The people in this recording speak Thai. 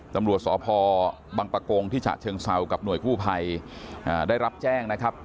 ตำรวจสพบังปะโกงที่ฉะเชิงเซากับหน่วยกู้ภัยได้รับแจ้งนะครับ